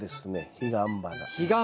ヒガンバナ！